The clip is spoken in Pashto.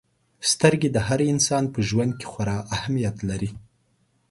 • سترګې د هر انسان په ژوند کې خورا اهمیت لري.